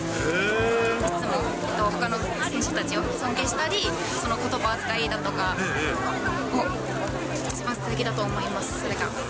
いつもほかの選手たちを尊敬したり、その言葉遣いだとか、一番すてきだと思います、それが。